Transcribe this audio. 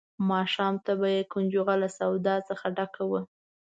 ماښام ته به یې کنجغه له سودا څخه ډکه وه.